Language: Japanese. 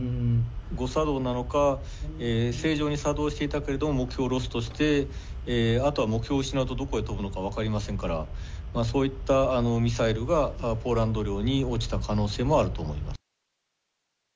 誤作動なのか、正常に作動していたけれども、目標をロストして、あとは目標を失うと、どこへ飛ぶかわかりませんから、そういったミサイルがポーランド領に落ちた可能性もあると思います。